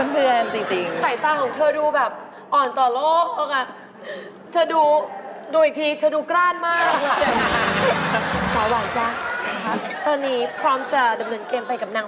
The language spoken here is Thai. ไม่เคยนะเลยค่ะก็ต้องขอบเพื่อนจริง